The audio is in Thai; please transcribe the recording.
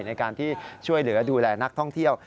ในการที่ช่วยเหลือดูแลนักท่องเที่ยว